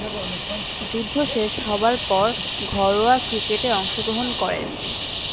যুদ্ধ শেষ হবার পর ঘরোয়া ক্রিকেটে অংশগ্রহণ করেন।